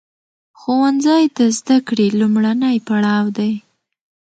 ښوونځی د زده کړې لومړنی پړاو دی.